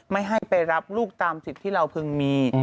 ไม่ให้ไปรับลูกตามสิทธิ์ที่เราพึงมี